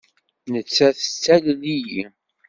Nettat tettalel-iyi.